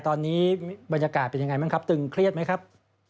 ตอนนี้บรรยากาศเป็นยังไงบ้างครับตึงเครียดไหมครับ